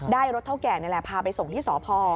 ได้รถเท่าแก่นี่นี่แหละพาไปส่งที่สภ